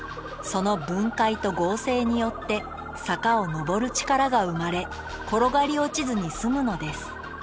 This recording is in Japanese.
その分解と合成によって坂を上る力が生まれ転がり落ちずに済むのです。